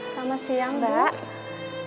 selamat siang mbak